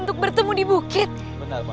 terima kasih pouru